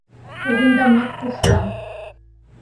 Когыньдамат пуштам!